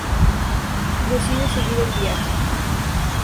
Decide seguir el viaje.